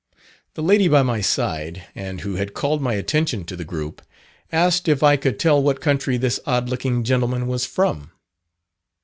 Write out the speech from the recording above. The lady by my side, and who had called my attention to the group, asked if I could tell what country this odd looking gentleman was from?